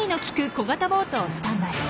小型ボートをスタンバイ。